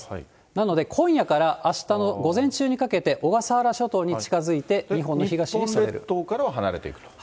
なので、今夜からあしたの午前中にかけて、小笠原諸島に近づいて、日本列島からは離れていくと。